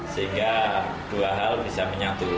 sehingga dua hal bisa menyatu